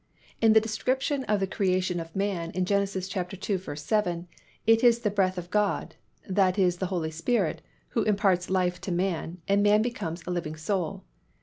In the description of the creation of man in Gen. ii. 7, it is the breath of God, that is the Holy Spirit, who imparts life to man, and man becomes a living soul.